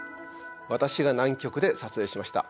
私が南極で撮影しました。